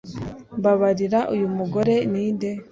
Mbabarira uyu mugore ninde